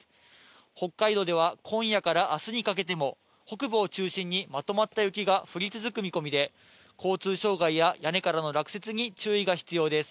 北海道では今夜からあすにかけても、北部を中心にまとまった雪が降り続く見込みで、交通障害や屋根からの落雪に注意が必要です。